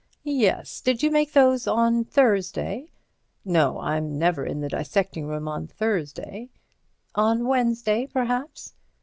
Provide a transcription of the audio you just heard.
"Yes. Did you make those on the Thursday?" "No; I'm never in the dissecting room on Thursday." "On Wednesday, perhaps?"